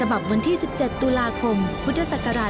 ฉบับวันที่๑๗ตุลาคมพุทธศักราช๒๕